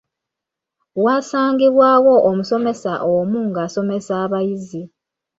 Waasangibwawo omusomesa omu ng’asomesa abayizi.